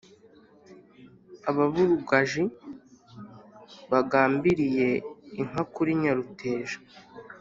ababurugaji bagambiiriye inka kuri nyaruteja